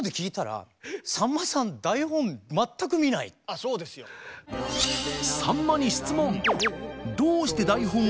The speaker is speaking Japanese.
あそうですよ。さんまに質問。